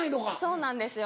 そうなんですよ